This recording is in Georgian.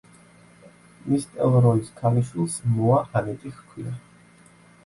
ნისტელროის ქალიშვილს მოა ანეტი ჰქვია.